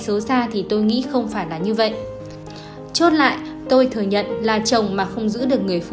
xấu xa thì tôi nghĩ không phải là như vậy chốt lại tôi thừa nhận là chồng mà không giữ được người phụ